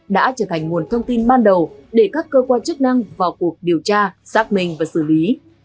đã trở thành nguồn thông tin ban đầu để các cơ quan chức năng vào cuộc điều tra xác minh và xử lý